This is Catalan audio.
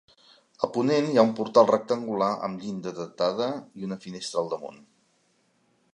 A ponent hi ha un portal rectangular amb llinda datada i una finestra al damunt.